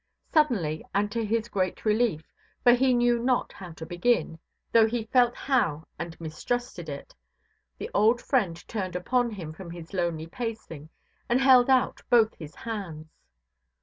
Suddenly and to his great relief—for he knew not how to begin, though he felt how and mistrusted it—the old friend turned upon him from his lonely pacing, and held out both his hands.